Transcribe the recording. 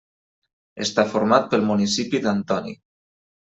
Està format pel municipi d'Antony.